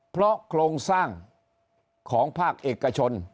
เพราะโครงสร้างของภาคเอกชน